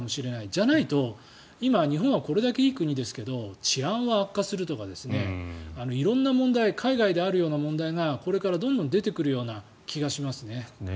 じゃないと、今日本はこれだけいい国ですが治安は悪化するとか色んな問題海外であるような問題がこれからどんどん出てくるような気がしますね。